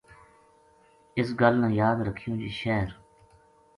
اس گل نا یاد رکھیوں جے شہر